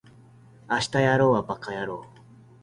明日やろうはバカやろう